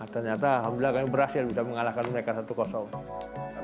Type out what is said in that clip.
ternyata alhamdulillah kami berhasil bisa mengalahkan mereka satu